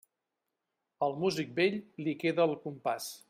Al músic vell, li queda el compàs.